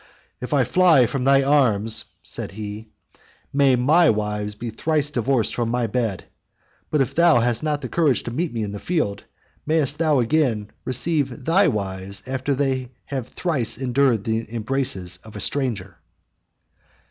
"If I fly from thy arms," said he, "may my wives be thrice divorced from my bed: but if thou hast not courage to meet me in the field, mayest thou again receive thy wives after they have thrice endured the embraces of a stranger."